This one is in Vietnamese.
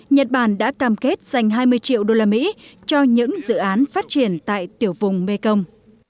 nhật bản đã cam kết dành hai mươi triệu đô la mỹ cho những dự án phát triển tại tiểu vùng mekong